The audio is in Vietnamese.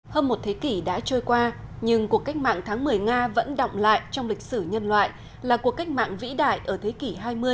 hơn một thế kỷ đã trôi qua nhưng cuộc cách mạng tháng một mươi nga vẫn động lại trong lịch sử nhân loại là cuộc cách mạng vĩ đại ở thế kỷ hai mươi